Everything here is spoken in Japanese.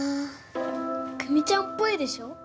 久美ちゃんっぽいでしょ？